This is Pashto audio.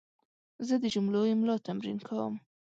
زه د جملو املا تمرین کوم.